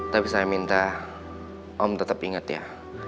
tapi saya minta om tetap ingat ya